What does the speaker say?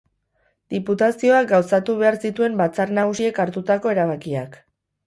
Diputazioak gauzatu behar zituen Batzar Nagusiek hartutako erabakiak.